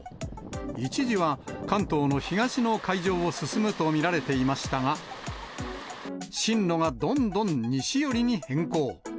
一時は関東の東の海上を進むと見られていましたが、進路がどんどん西寄りに変更。